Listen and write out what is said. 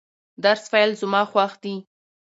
درس ویل زما خوښ دي.